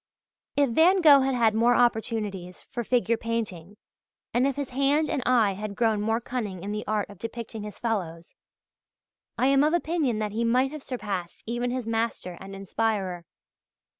If Van Gogh had had more opportunities for figure painting, and if his hand and eye had grown more cunning in the art of depicting his fellows, I am of opinion that he might have surpassed even his master and inspirer.